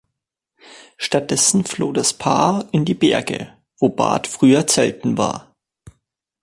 Stattdessen floh das Paar in die Berge, wo Bart früher Zelten war.